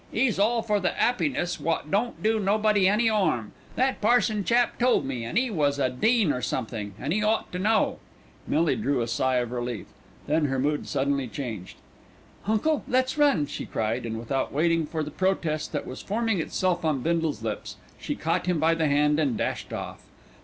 'E's all for the 'appiness wot don't do nobody any 'arm. That parson chap told me, an' 'e was a dean or somethink, an' 'e ought to know." Millie drew a sigh of relief. Then her mood suddenly changed. "Uncle, let's run," she cried; and without waiting for the protest that was forming itself on Bindle's lips, she caught him by the hand and dashed off.